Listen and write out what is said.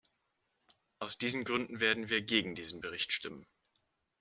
Aus diesen Gründen werden wir gegen diesen Bericht stimmen.